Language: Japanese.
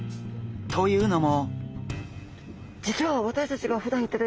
というのも。